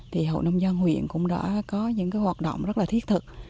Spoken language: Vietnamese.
thì hộ nông dân huyện cũng đã có những hoạt động rất thiết thực